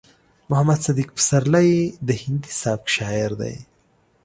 محمد صديق پسرلی د هندي سبک شاعر دی.